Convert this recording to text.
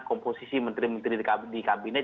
komposisi menteri menteri di kabinet